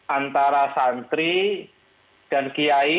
antara santri dan kiai